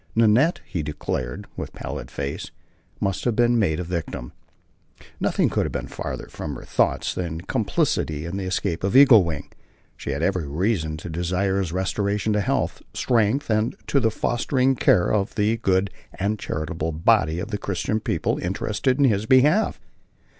Nanette, he declared, with pallid face, "must have been made a victim." "Nothing could have been farther from her thoughts than complicity in the escape of Eagle Wing." "She had every reason to desire his restoration to health, strength and to the fostering care of the good and charitable body of Christian people interested in his behalf."